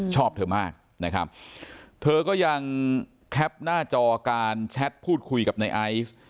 ชอบเธอมากนะครับเธอก็ยังแคปหน้าจอการแชทพูดคุยกับในไอซ์